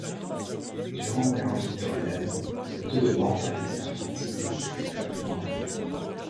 Durant l'ère victorienne, le taux de mortalité infantile était extrêmement élevé.